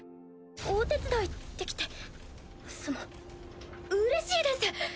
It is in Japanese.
お手伝いできてそのうれしいです。